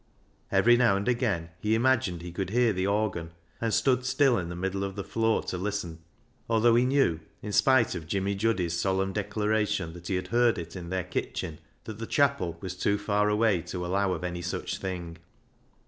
Every now and again he imagined he could hear the organ, and stood still in the middle of the floor to listen, although he knew, in spite of Jimmy Juddy's solemn declaration that he had heard it in their kitchen, that the chapel was too far away to allov/ of any such thing.